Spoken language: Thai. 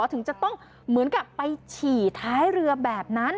ถึงจะต้องเหมือนกับไปฉี่ท้ายเรือแบบนั้น